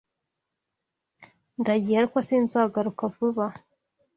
Ndagiye ariko sinzagaruka vuba